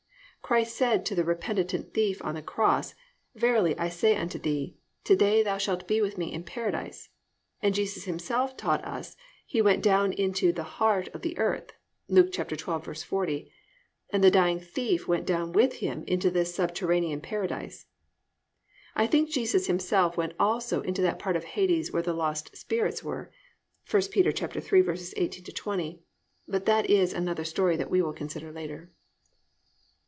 Christ said to the repentant thief on the cross, +"Verily I say unto thee, to day shalt thou be with me in Paradise,"+ and Jesus Himself taught us He went down into +"the heart of the earth"+ (Luke 12:40) and the dying thief went down with Him into this subterranean Paradise. I think Jesus Himself went also into that part of Hades where the lost spirits were (1 Peter 3:18 20), but that is another story that we will consider later.